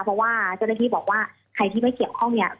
เพราะว่าเจ้าหน้าที่บอกว่าใครที่ไม่เกี่ยวข้องเนี่ย